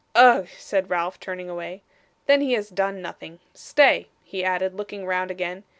'Ugh,' said Ralph, turning away. 'Then he has done nothing. Stay,' he added, looking round again.